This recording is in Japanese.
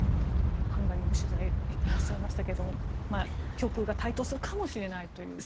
ハンガリーも取材にいらっしゃいましたけど極右が台頭するかもしれないと。